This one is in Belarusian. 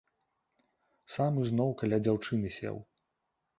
Сам ізноў каля дзяўчыны сеў.